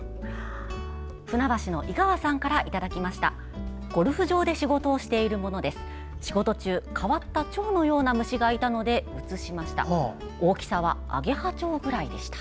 船橋の井川さんからいただきました。